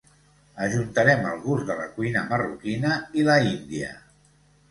Ajuntarem el gust de la cuina marroquina i la índia.